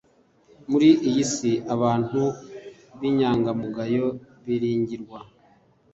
muri iyi si abantu b inyangamugayo biringirwa